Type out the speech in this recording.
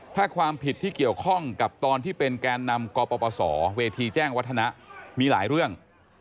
ถ้าความผิดที่เกี่ยวข้องกับตอนที่เป็นแกนนำกปศเวทีแจ้งวัฒนะมีหลายเรื่อง